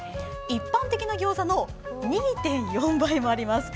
一般的な餃子の２．４倍もあります。